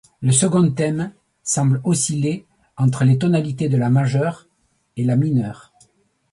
Le second thème semble osciller entre les tonalités de la majeur et la mineur.